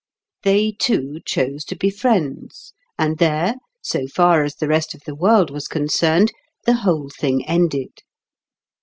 They two chose to be friends; and there, so far as the rest of the world was concerned, the whole thing ended.